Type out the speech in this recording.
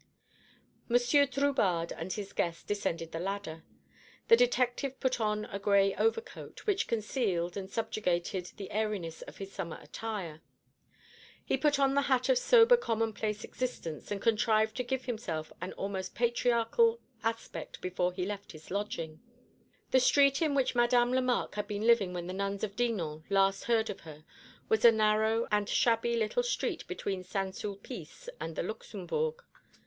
Monsieur Drubarde and his guest descended the ladder. The detective put on a gray overcoat, which concealed and subjugated the airiness of his summer attire. He put on the hat of sober commonplace existence, and contrived to give himself an almost patriarchal aspect before he left his lodging. The street in which Madame Lemarque had been living when the nuns of Dinan last heard of her was a narrow and shabby little street between Saint Sulpice and the Luxembourg.